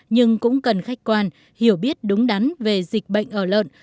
nhưng cũng cần khách quan hiểu biết đúng đắn về dịch bệnh ở lợn